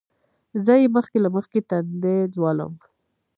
زه یې مخکې له مخکې تندی لولم.